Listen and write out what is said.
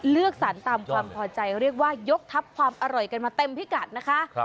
เลือกสรรตามความพอใจเรียกว่ายกทัพความอร่อยกันมาเต็มพิกัดนะคะ